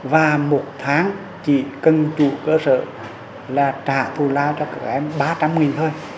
và một tháng chỉ cần chủ cơ sở là trả thù lao cho các em ba trăm linh thôi